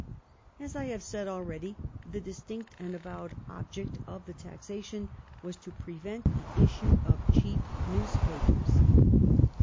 As I have said already, the distinct and avowed object of the taxation was to prevent the issue of cheap newspapers.